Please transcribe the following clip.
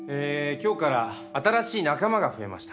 今日から新しい仲間が増えました。